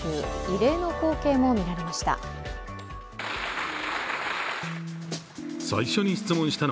異例の光景も見られました。